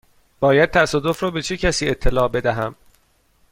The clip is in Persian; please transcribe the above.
باید تصادف را به چه کسی اطلاع بدهم؟